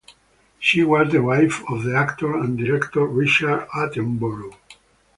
She was the wife of the actor and director Richard Attenborough.